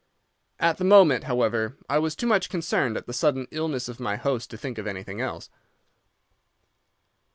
At the moment, however, I was too much concerned at the sudden illness of my host to think of anything else.